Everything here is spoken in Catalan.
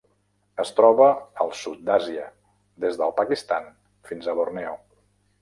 Es troba al sud d'Àsia: des del Pakistan fins a Borneo.